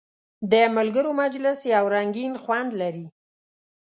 د ملګرو مجلس یو رنګین خوند لري.